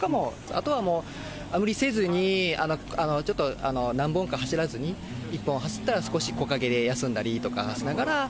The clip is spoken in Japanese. あとはもう無理せずに、ちょっと、何本か走らずに、１本走ったら少し木陰で休んだりとかしながら。